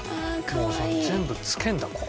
もう全部つけんだここで。